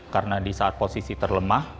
karena di saat posisi terlemah